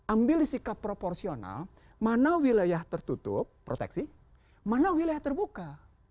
ambil sikap proporsional mana wilayah tertutup proteksi mana wilayah terbuka